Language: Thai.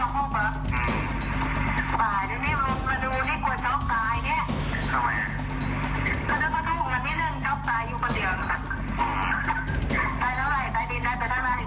คุณครูซื้อจริงแล้วคุณครูก็จ่ายเงินจริง